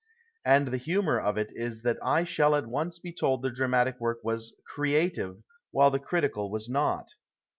And the humour of it is that I shall at once be told the dramatic work was " creative," while the critical was not.